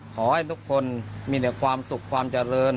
ขอให้ทุกคนมีแต่ความสุขความเจริญ